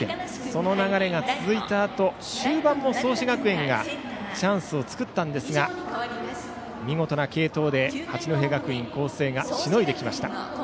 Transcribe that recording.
その流れが続いたあと終盤も創志学園がチャンスを作ったんですが見事な継投で八戸学院光星がしのいできました。